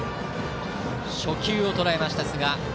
初球をとらえました寿賀。